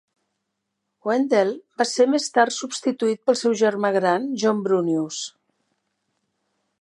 Wendell va ser més tard substituït pel seu germà gran, John Brunious.